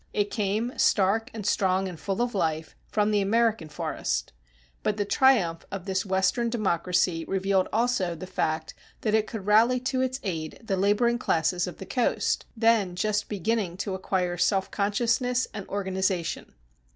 It came, stark and strong and full of life, from the American forest. But the triumph of this Western democracy revealed also the fact that it could rally to its aid the laboring classes of the coast, then just beginning to acquire self consciousness and organization.